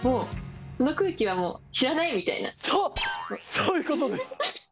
そういうことです。